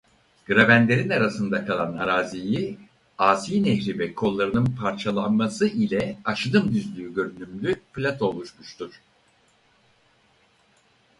Grabenlerin arasında kalan araziyi Asi Nehri ve kollarının parçalaması ile aşınım düzlüğü görünümlü plato oluşmuştur.